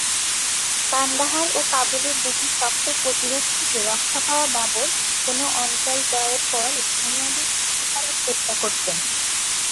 কান্দাহার ও কাবুলের দুটি শক্ত প্রতিরোধ থেকে রক্ষা পাওয়া বাবর কোন অঞ্চল জয়ের পর স্থানীয়দের খুশি করার চেষ্টা করতেন।